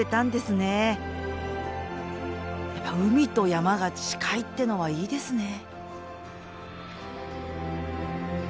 やっぱ海と山が近いってのはいいですね。